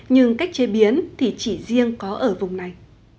nhưng cách chế biến thì chỉ riêng có ở vùng này